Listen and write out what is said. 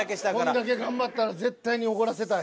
こんだけ頑張ったら絶対におごらせたい。